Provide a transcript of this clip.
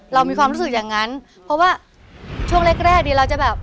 เรามีความรู้สึกอย่างนั้นเพราะว่าช่วงแรกแรกดีเราจะแบบ